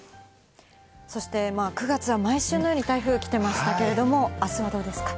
そして、９月は毎週のように台風、来てましたけれども、あすはどうですか。